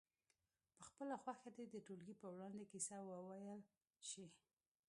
په خپله خوښه دې د ټولګي په وړاندې کیسه وویل شي.